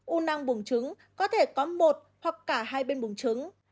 u năng buồng trứng có thể có một hoặc cả hai bên buồng trứng